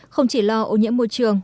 không chỉ lo ô nhiễm môi trường